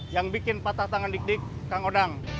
yang bikin patah tangan dik dik kang odang